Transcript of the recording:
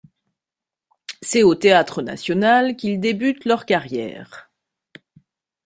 C'est au Théâtre National qu'ils débutent leur carrière.